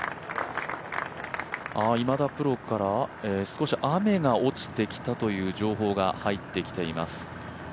今田プロから少し雨が落ちてきたという情報が入ってきています。